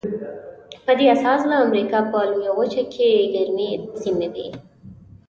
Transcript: په دې اساس د امریکا په لویه وچه کې ګرمې سیمې وې.